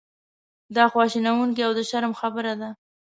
دا خواشینونکې او د شرم خبره ده.